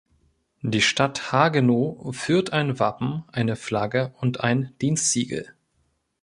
Die Stadt Hagenow führt ein Wappen, eine Flagge und ein Dienstsiegel.